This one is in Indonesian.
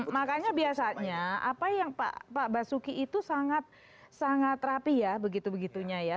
makanya biasanya apa yang pak basuki itu sangat rapi ya begitu begitunya ya